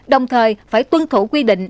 đồng thời phải tuân thủ quy định